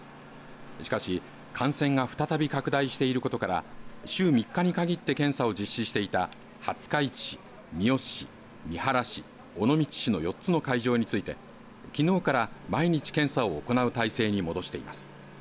しかし、感染が再び拡大していることから週３日に限って検査を実施していた廿日市、三好市、三原市尾道市の４つの会場についてきのうから毎日検査を行う体制に戻しています。